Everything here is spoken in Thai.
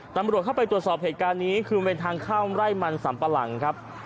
ตำรวจเข้าไปตรวจสอบเหตุการณ์นี้คือบริเวณทางเข้าไร่มันสัมปะหลังครับ